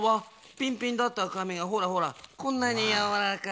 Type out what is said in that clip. ぴんぴんだったかみがほらほらこんなにやわらかい。